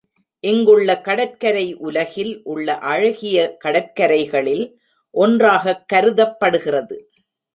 இங்குள்ள கடற்கரை உலகில் உள்ள அழகிய கடற்கரைகளில் ஒன்றாகக் கருதப்படுகிறது.